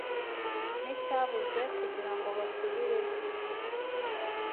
n'icyabuze kugirango basubireyo